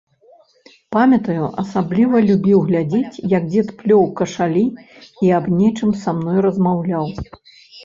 Памятаю, асабліва любіў глядзець, як дзед плёў кашалі і аб нечым са мной размаўляў.